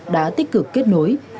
đã tích cực kết nối